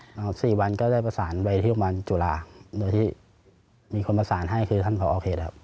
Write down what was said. สี่วันก็ได้ประสานไปที่โรงพยาบาลจุฬาโดยที่มีคนประสานให้คือท่านพอโอเคครับ